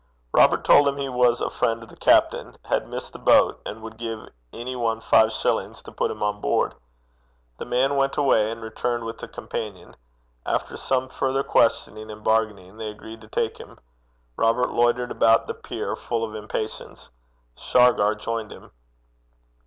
Robert told him he was a friend of the captain, had missed the boat, and would give any one five shillings to put him on board. The man went away and returned with a companion. After some further questioning and bargaining, they agreed to take him. Robert loitered about the pier full of impatience. Shargar joined him.